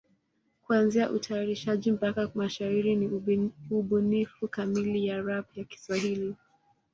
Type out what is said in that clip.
Kuanzia utayarishaji mpaka mashairi ni ubunifu kamili ya rap ya Kiswahili.